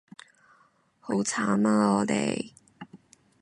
好慘啊我哋